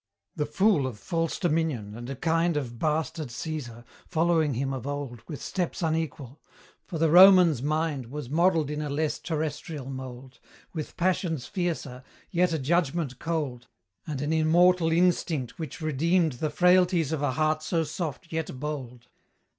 The fool of false dominion and a kind Of bastard Caesar, following him of old With steps unequal; for the Roman's mind Was modelled in a less terrestrial mould, With passions fiercer, yet a judgment cold, And an immortal instinct which redeemed The frailties of a heart so soft, yet bold.